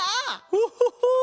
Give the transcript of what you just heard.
オホホ！